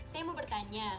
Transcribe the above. saya mau bertanya